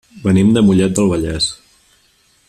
Venim de Mollet del Vallès.